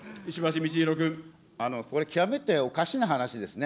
これ極めておかしな話ですね。